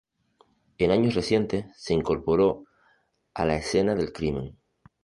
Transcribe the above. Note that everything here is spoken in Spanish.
En años recientes, se incorporó a La Escena del Crimen.